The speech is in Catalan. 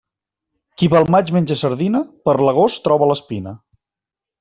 Qui pel maig menja sardina per l'agost troba l'espina.